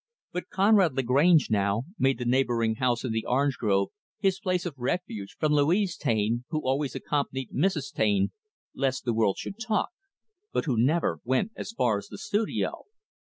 But Conrad Lagrange now, made the neighboring house in the orange grove his place of refuge from Louise Taine, who always accompanied Mrs. Taine, lest the world should talk, but who never went as far as the studio.